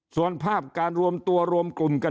ส่วนภาพการรวมตัวรวมกลุ่มกัน